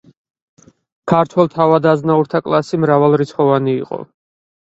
ქართველ თავად-აზნაურთა კლასი მრავალრიცხოვანი იყო.